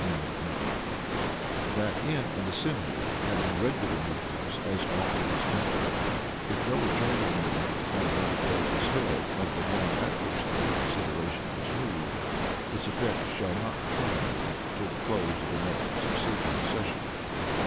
] that in an assembly having regular meetings as often as monthly, if no adjourned meeting upon another day is held of the one at which the reconsideration was moved, its effect shall not terminate till the close of the next succeeding session.